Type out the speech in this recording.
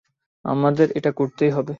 আমাদের এটা করতেই হবে!